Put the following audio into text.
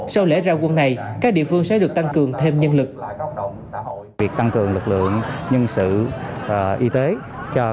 sau lễ ra quân này các địa phương sẽ được tăng cường thêm nhân lực